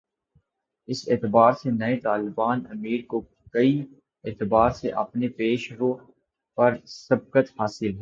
اس اعتبار سے نئے طالبان امیر کو کئی اعتبار سے اپنے پیش رو پر سبقت حاصل ہے۔